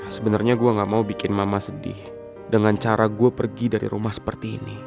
sebenarnya gue gak mau bikin mama sedih dengan cara gue pergi dari rumah seperti ini